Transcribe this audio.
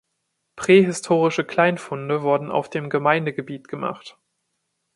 Prähistorische Kleinfunde wurden auf dem Gemeindegebiet gemacht.